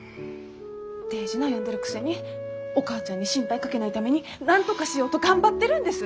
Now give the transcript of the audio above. デージ悩んでるくせにお母ちゃんに心配かけないためになんとかしようと頑張ってるんです。